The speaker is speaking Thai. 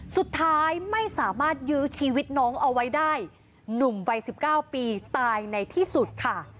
สุดท้ายไม่สามารถยื้อชีวิตน้องเอาไว้ได้หนุ่มวัย๑๙ปีตายในที่สุดค่ะ